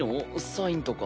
サインとか。